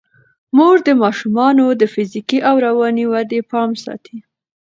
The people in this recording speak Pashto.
مور د ماشومانو د فزیکي او رواني ودې پام ساتي.